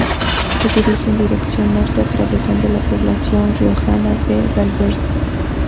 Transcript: Se dirige en dirección norte atravesando la población riojana de Valverde.